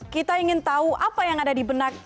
kita ingin tahu apa yang ada di benak